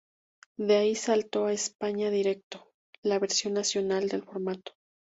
De ahí saltó a "España Directo", la versión nacional del formato.